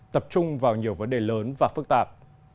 tập trung vào nhiều vấn đề lớn và phức tạp